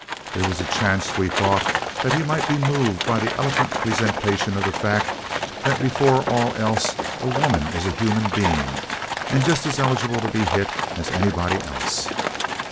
There was a chance, we thought, that he might be moved by the eloquent presentation of the fact that before all else a woman is a human being and just as eligible to be hit as anybody else.